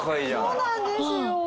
そうなんですよ。